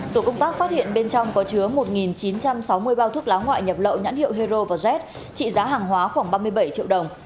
tổ công tác phát hiện bên trong có chứa một chín trăm sáu mươi bao thuốc lá ngoại nhập lậu nhãn hiệu hero và z trị giá hàng hóa khoảng ba mươi bảy triệu đồng